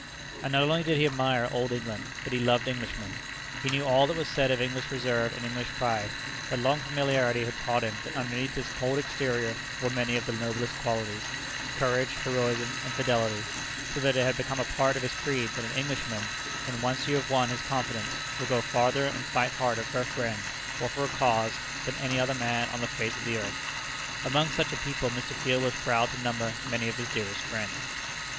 And not only did he admire Old England, but he loved Englishmen. He knew all that was said of English reserve and English pride, but long familiarity had taught him that underneath this cold exterior were many of the noblest qualities courage, heroism and fidelity so that it had become a part of his creed that an Englishman, when once you have won his confidence, will go farther and fight harder for a friend or for a cause than any other man on the face of the earth. Among such a people Mr. Field was proud to number many of his dearest friends.